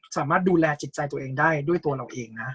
สามารถดูแลจิตใจตัวเองได้ด้วยตัวเราเองนะ